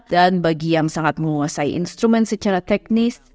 dan bagi yang sangat menguasai instrumen secara teknis